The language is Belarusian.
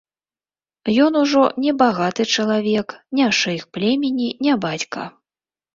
Ён ужо не багаты чалавек, не шэйх племені, не бацька.